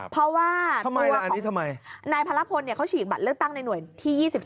เพราะว่าทำไมอันนี้ทำไมนายภาระพลเนี่ยเขาฉีกบัตรเลือกตั้งในหน่วยที่๒๒